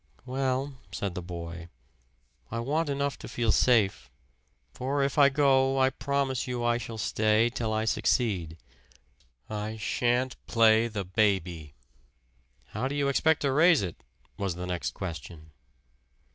"Well," said the boy, "I want enough to feel safe. For if I go, I promise you I shall stay till I succeed. I shan't play the baby." "How do you expect to raise it?" was the next question.